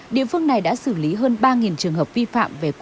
địa phương này đã xử lý hơn ba trường hợp vi phạm